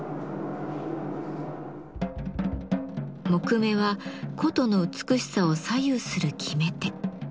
木目は箏の美しさを左右する決め手。